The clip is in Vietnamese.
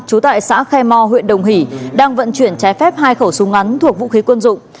trú tại xã khe mò huyện đồng hỷ đang vận chuyển trái phép hai khẩu súng ngắn thuộc vũ khí quân dụng